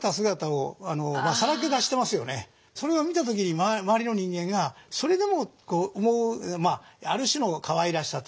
それを見た時に周りの人間がそれでも思うある種のかわいらしさというか。